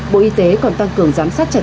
bộ y tế còn tăng cường giám sát chặt chẽ